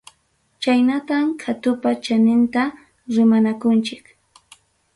Chaynatam qhatupa chaninta rimanakunchik.